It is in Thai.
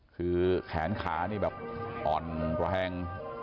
คือแขนขานี่แบบอ่อนระแหง